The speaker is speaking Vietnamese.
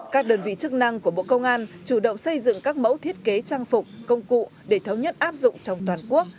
các đơn vị chức năng của bộ công an chủ động xây dựng các mẫu thiết kế trang phục công cụ để thống nhất áp dụng trong toàn quốc